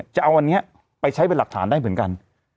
จะเอาอันนี้ไปใช้เป็นหลักฐานได้เหมือนกัน